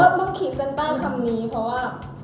ก็บ้างคิงเส้นป้าคำนี้เพราะว่า